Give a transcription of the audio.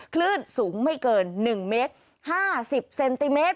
คลื่นสูงไม่เกิน๑เมตร๕๐เซนติเมตร